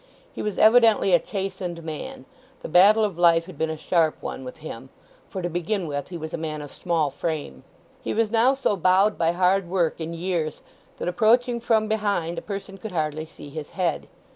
He was evidently a chastened man. The battle of life had been a sharp one with him, for, to begin with, he was a man of small frame. He was now so bowed by hard work and years that, approaching from behind, a person could hardly see his head.